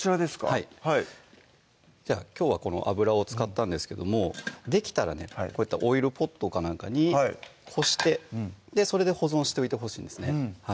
はいきょうはこの油を使ったんですけどもできたらねこういったオイルポットか何かにこしてそれで保存しておいてほしいんですね